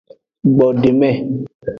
Gbodeme.